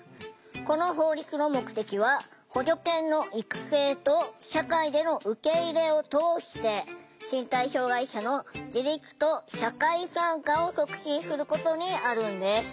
この法律の目的は補助犬の育成と社会での受け入れを通して身体障害者の自立と社会参加を促進することにあるんです。